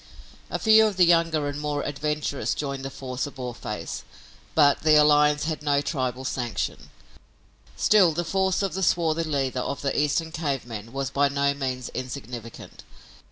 A few of the younger and more adventurous joined the force of Boarface, but the alliance had no tribal sanction. Still, the force of the swarthy leader of the Eastern cave men was by no means insignificant.